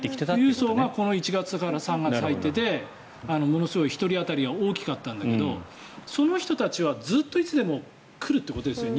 富裕層がこの１月から３月入っていてものすごい１人当たりは大きかったんだけどその人たちはずっといつでも来るということですね。